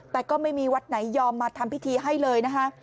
แต่ก็ไม่มีวัดไหนยอมมาทำพิธีให้เลยนะคะ